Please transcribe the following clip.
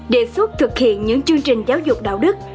đề xuất thực hiện những chương trình giáo dục đạo đức